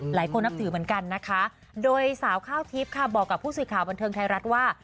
หลายคนนับถือเหมือนกันนะคะโดยสาวข้าวทิพย์ค่ะบอกกับผู้สื่อข่าวบันเทิงไทยรัฐว่า